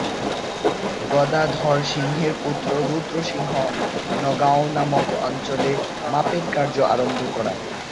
গদাধর সিংহের পুত্র রুদ্র সিংহ নগাঁও নামক অঞ্চলে মাপের কার্য আরম্ভ করান।